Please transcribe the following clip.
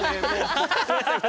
ハハハハ！